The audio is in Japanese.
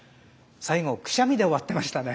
最後くしゃみで終わってましたね。